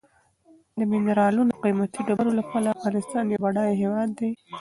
د منرالو او قیمتي ډبرو له پلوه افغانستان یو بډایه هېواد دی.